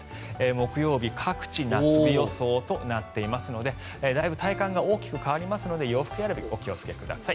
木曜日、各地夏日予想となっていますのでだいぶ体感が大きく変わりますので洋服選び、お気をつけください。